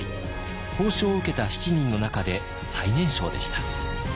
褒章を受けた７人の中で最年少でした。